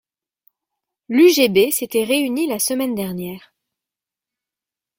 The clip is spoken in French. L’UGB s’était réunie la semaine dernière.